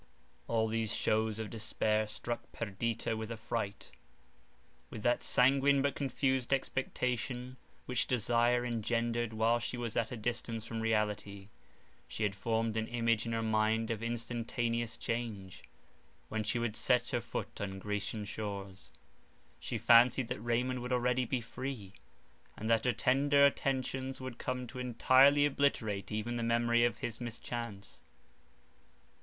All these shews of despair struck Perdita with affright. With that sanguine but confused expectation, which desire engendered while she was at a distance from reality, she had formed an image in her mind of instantaneous change, when she should set her foot on Grecian shores. She fancied that Raymond would already be free, and that her tender attentions would come to entirely obliterate even the memory of his mischance.